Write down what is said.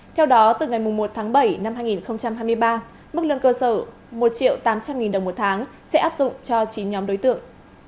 theo đó từ ngày một tháng bảy năm hai nghìn hai mươi ba mức lương cơ sở một triệu tám trăm linh nghìn đồng một tháng sẽ áp dụng cho chín nhóm đối tượng